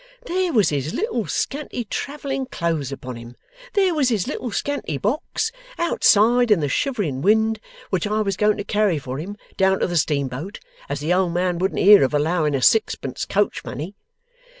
There was his little scanty travelling clothes upon him. There was his little scanty box outside in the shivering wind, which I was going to carry for him down to the steamboat, as the old man wouldn't hear of allowing a sixpence coach money.